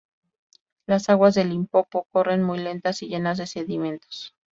Las aguas del Limpopo corren muy lentas y llenas de sedimentos.